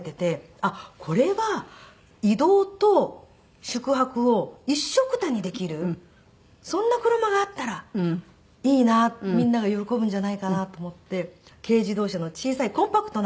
あっこれは移動と宿泊を一緒くたにできるそんな車があったらいいなみんなが喜ぶんじゃないかなと思って軽自動車の小さいコンパクトな。